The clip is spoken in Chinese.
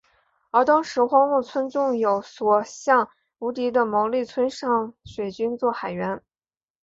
而当时荒木村重有所向无敌的毛利村上水军作海援。